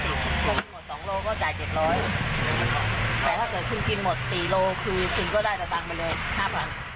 เทียนราคาแก่เนื้อโล๓๕๐คุณกินหมด๑กิโลนึงคุณก็จ่าย๓๕๐